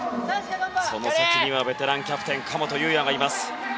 その先にはベテランキャプテンの神本雄也がいます。